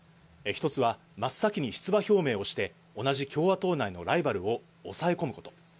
１つは、真っ先に出馬表明をして、同じ共和党内のライバルを抑え込むこと。